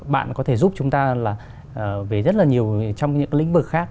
bạn có thể giúp chúng ta là về rất là nhiều trong những lĩnh vực khác